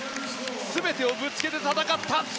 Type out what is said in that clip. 全てをぶつけて戦った。